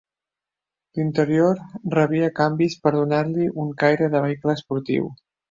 L'interior rebia canvis per donar-li un caire de vehicle esportiu.